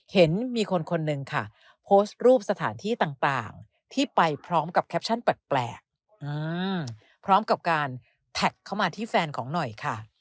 เห็นมีคนคนหนึ่งค่ะโพสต์รูปสถานที่ต่างที่ไปพร้อมกับแคปชั่นแปลกพร้อมกับการแท็กเข้ามาที่แฟนของหน่อยค่ะ